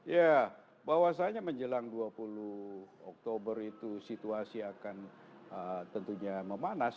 ya bahwasannya menjelang dua puluh oktober itu situasi akan tentunya memanas